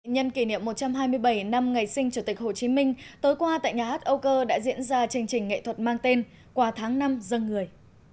nhân kỷ niệm một trăm hai mươi bảy năm ngày sinh chủ tịch hồ chí minh tối qua tại nhà hát âu cơ đã diễn ra chương trình nghệ thuật mang tên quà tháng năm dân người